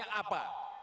dia harus tahu